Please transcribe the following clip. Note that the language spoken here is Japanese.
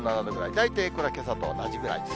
大体これ、けさと同じくらいです。